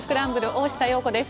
大下容子です。